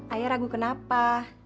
ayah ragu kenapa